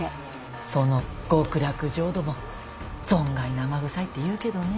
その極楽浄土も存外生臭いっていうけどねぇ。